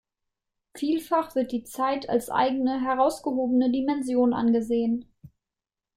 Vielfach wird die Zeit als eigene, herausgehobene Dimension angesehen.